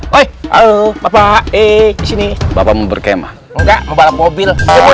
woi alo bapak eh sini bapak mau berkemah enggak membawa mobil mau